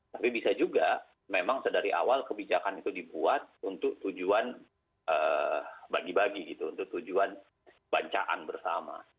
tapi bisa juga memang sedari awal kebijakan itu dibuat untuk tujuan bagi bagi gitu untuk tujuan bancaan bersama